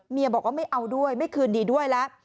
เมียบอกว่าไม่เอาด้วยไม่คืนดีด้วยละ